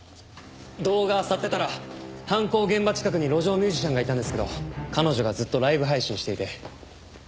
動画をあさってたら犯行現場近くに路上ミュージシャンがいたんですけど彼女がずっとライブ配信していて。